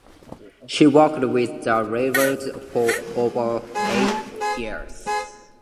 She worked with the railroad for over eight years.